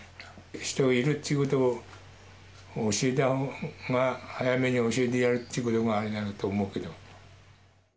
人いるっていうことを教えたほうが、早めに教えてやるということがあれなんだと思うけど。